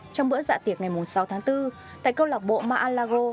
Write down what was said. trong bữa dạ tiệc ngày sáu tháng bốn tại câu lọc bộ mar a lago